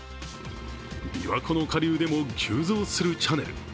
びわ湖の下流でも急増するチャネル。